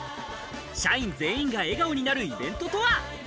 社員全員が笑顔になるイベントとは？